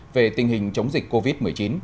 về tình hình chống dịch covid một mươi chín